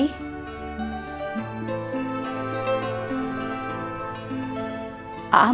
pak ah mau